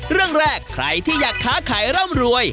เรื่องแรกใครที่อยากค้าขายร่ำรวย